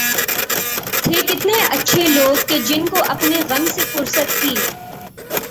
تھے کتنے اچھے لوگ کہ جن کو اپنے غم سے فرصت تھی